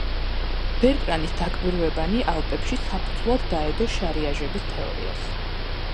ბერტრანის დაკვირვებანი ალპებში საფუძვლად დაედო შარიაჟების თეორიას.